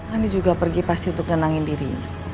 andi juga pergi pasti untuk tenangin diri